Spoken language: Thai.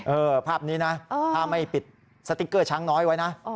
ภาพนี้นะถ้าไม่ปิดสติ๊กเกอร์ช้างน้อยไว้นะ